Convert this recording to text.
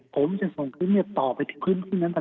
ผมจะส่งต่อไปที่พื้นทรียางนั้น